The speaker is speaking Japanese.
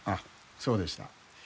そうでした。